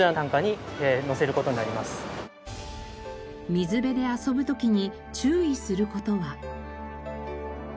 水辺で遊ぶ時に注意する事は。